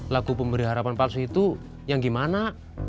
lagu pemberi harapan palsu itu yang gimana